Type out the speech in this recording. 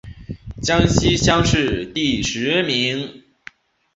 江西乡试第十名。